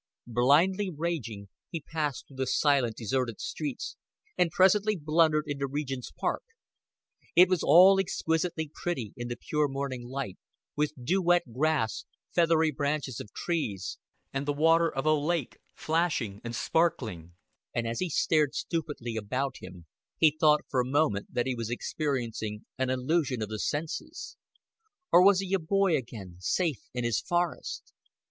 Blindly raging, he passed through the silent, deserted streets, and presently blundered into Regent's Park. It was all exquisitely pretty in the pure morning light, with dew wet grass, feathery branches of trees, and the water of a river or lake flashing and sparkling; and as he stared stupidly about him, he thought for a moment that he was experiencing an illusion of the senses. Or was he a boy again safe in his forest?